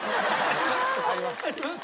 ありますよ。